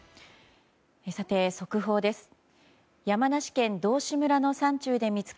さて、速報です。